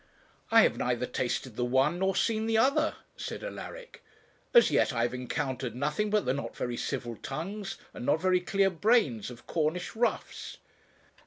'I have neither tasted the one, nor seen the other,' said Alaric. 'As yet I have encountered nothing but the not very civil tongues, and not very clear brains of Cornish roughs.'